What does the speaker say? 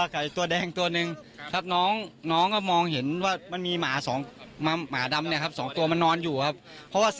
กับ๑ตัวแดง๑ตัว